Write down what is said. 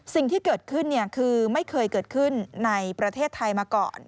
สิ่งที่เกิดขึ้นคือไม่เคยเกิดขึ้นในประเทศไทยมาก่อน